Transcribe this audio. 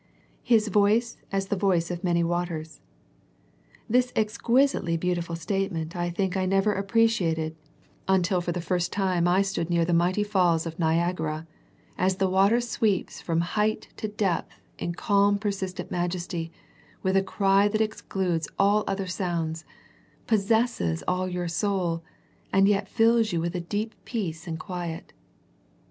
''His voice as the voice of many waters/* This exquisitely beautiful statement I think I never appreciated until for the first time I The Vision and the Voice 25 stood near the mighty falls of Niagara, as the water sweeps from height to depth in calm persistent majesty with a cry that excludes all other sounds, possesses all your soul, and yet fills you with a deep peace and quiet.